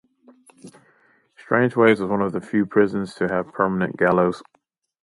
Strangeways was one of the few prisons to have permanent gallows.